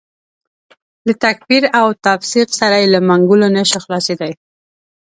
له تکفیر او تفسیق سره یې له منګولو نه شو خلاصېدای.